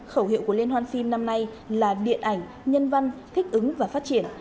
khẩu hiệu của liên hoan phim năm nay là điện ảnh nhân văn thích ứng và phát triển